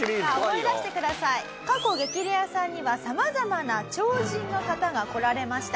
過去『激レアさん』には様々な超人の方が来られました。